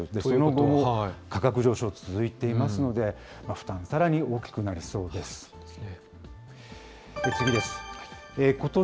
その後も価格上昇、続いていますので、負担、さらに大きくなりそうです。